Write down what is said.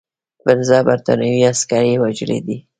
پنځه برټانوي عسکر یې وژلي دي.